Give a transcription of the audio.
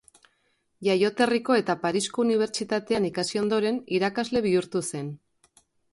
Jaioterriko eta Parisko Unibertsitatean ikasi ondoren, irakasle bihurtu zen.